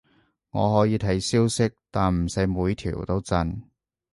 我可以睇消息，但唔使每條都震